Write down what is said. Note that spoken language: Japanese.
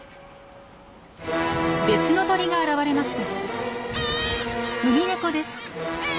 別の鳥が現れました。